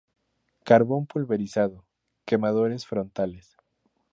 Carbón pulverizado; quemadores frontales.